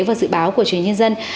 và dự báo của chuyên nhân dân